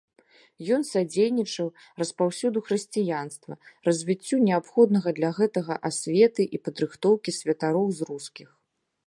Ён садзейнічаў распаўсюду хрысціянства, развіццю неабходнага для гэтага асветы і падрыхтоўкі святароў з рускіх.